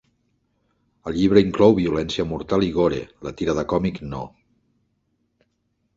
El llibre inclou violència mortal i gore, la tira de còmic no.